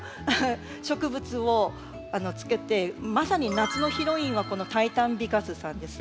植物をつけてまさに夏のヒロインはこのタイタンビカスさんです。